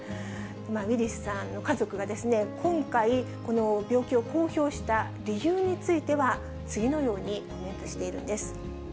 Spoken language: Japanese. ウィリスさんの家族が今回、この病気を公表した理由については、次のようにコメントしているんです。